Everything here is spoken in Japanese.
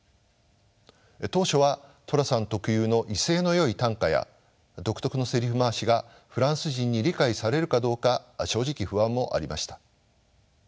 当初は寅さん特有の威勢のよい啖呵や独特のセリフ回しがフランス人に理解されるかどうか正直不安もありました。